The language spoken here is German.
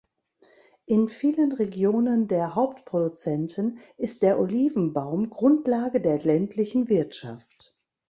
In vielen Regionen der Hauptproduzenten ist der Olivenbaum Grundlage der ländlichen Wirtschaft.